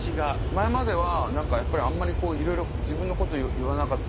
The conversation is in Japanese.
前までは何かやっぱりあんまりいろいろ自分のこと言わなかったり。